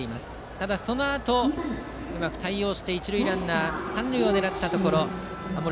ただし、そのあとうまく対応して一塁ランナーが三塁を狙ったところ守る